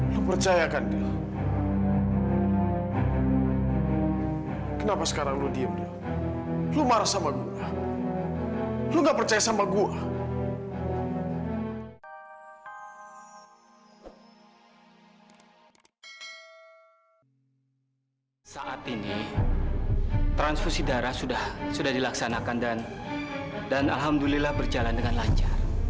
sampai jumpa di video selanjutnya